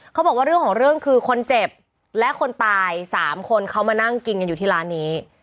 เขาบอกว่าเรื่องของเรื่องคือคนเจ็บและคนตาย๓คนเขามานั่งกินกันอยู่ที่ร้านนี้